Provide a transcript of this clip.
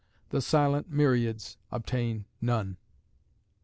The silent myriads obtain none.